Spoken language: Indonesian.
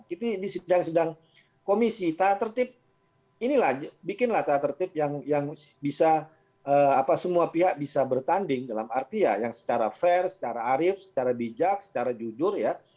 kita ini sedang sedang komisi tatip inilah bikinlah tatip yang bisa apa semua pihak bisa bertanding dalam arti ya yang secara fair secara arif secara bijak secara jujur ya